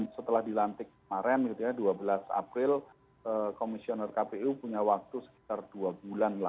setelah dilantik kemarin dua belas april komisioner kpu punya waktu sekitar dua bulan